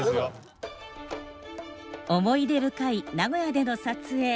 思い出深い名古屋での撮影。